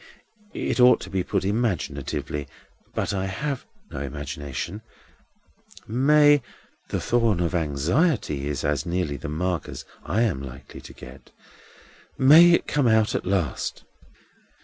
—it ought to be put imaginatively, but I have no imagination—May!—the thorn of anxiety is as nearly the mark as I am likely to get—May it come out at last!"